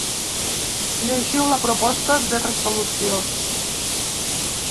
Llegiu la proposta de resolució.